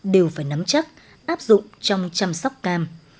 đều phải nắm chắc áp dụng trong chăm sóc cam